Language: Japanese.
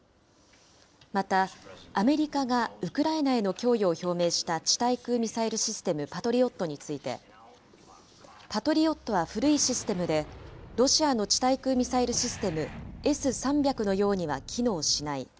また、アメリカがウクライナへの供与を表明した地対空ミサイルシステム、パトリオットについて、パトリオットは古いシステムで、ロシアの地対空ミサイルシステム、Ｓ３００のようには機能しない。